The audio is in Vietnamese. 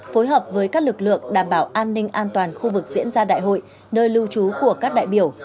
phối hợp với các lực lượng đảm bảo an ninh an toàn khu vực diễn ra đại hội nơi lưu trú của các đại biểu